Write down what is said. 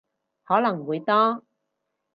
可能會多